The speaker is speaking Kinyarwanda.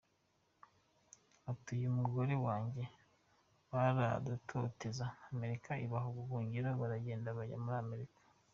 Ati uyu ni umugore wanjye baradutoteza…Amerika ibaha ubuhungiro baragenda bajya muri Amerika.